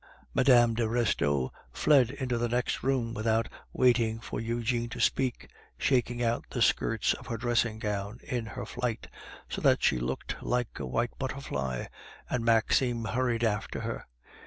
Mme. de Restaud fled into the next room without waiting for Eugene to speak; shaking out the skirts of her dressing gown in her flight, so that she looked like a white butterfly, and Maxime hurried after her.